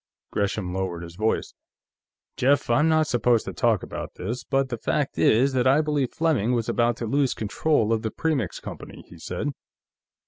Gresham lowered his voice. "Jeff, I'm not supposed to talk about this, but the fact is that I believe Fleming was about to lose control of the Premix Company," he said.